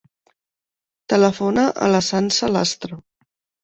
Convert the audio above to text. Telefona a la Sança Lastra.